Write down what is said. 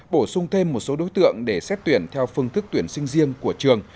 bổ sung thêm một số đối tượng để xét tuyển theo phương thức tuyển sinh riêng của trường